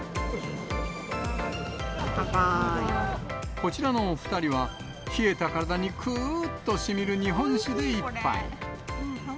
こちらのお２人は、冷えた体にくーっとしみる日本酒で一杯。